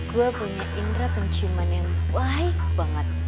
gue punya indera penciuman yang baik banget